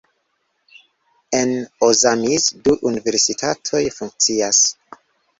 En Ozamiz du universitatoj funkcias.